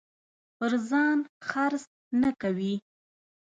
پر ځان خرڅ نه کوي.